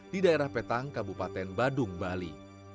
di daerah petang kabupaten badung bali